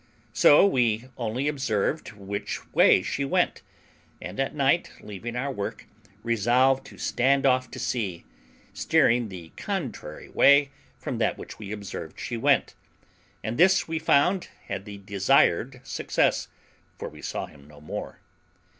So we only observed which way she went, and at night, leaving our work, resolved to stand off to sea, steering the contrary way from that which we observed she went; and this, we found, had the desired success, for we saw him no more.